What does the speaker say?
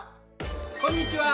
こんにちは。